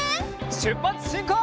しゅっぱつしんこう！